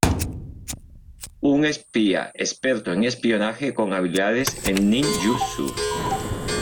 Un espía experto en espionaje, con habilidades en ninjutsu.